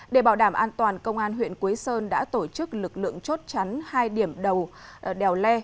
để bảo đảm an toàn công an huyện quế sơn đã tổ chức lực lượng chốt chắn hai điểm đầu đèo le